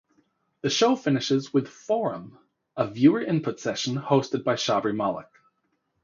The show finishes with "Forum" a viewer input session, hosted by Shabri Malik.